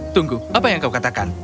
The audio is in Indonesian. tunggu apa yang kau katakan